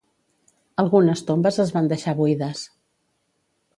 Algunes tombes es van deixar buides.